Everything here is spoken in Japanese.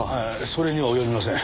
それには及びません。